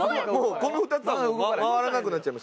この２つは回らなくなっちゃいました。